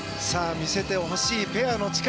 見せてほしいペアの力。